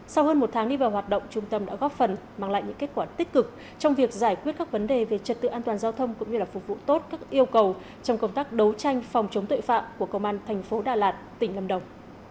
sau hơn một tháng đi vào hoạt động trung tâm đã góp phần mang lại những kết quả tích cực trong việc giải quyết các vấn đề về trật tự an toàn giao thông cũng như là phục vụ tốt các yêu cầu trong công tác đấu tranh phòng chống tội phạm của công an thành phố đà lạt tỉnh lâm đồng